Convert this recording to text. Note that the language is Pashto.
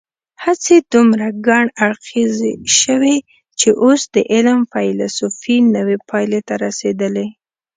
هڅې دومره ګڼ اړخیزې شوي چې اوس د علم فېلسوفي نوې پایلې ته رسېدلې.